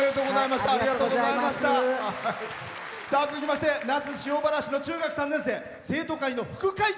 続きまして那須塩原市の中学３年生。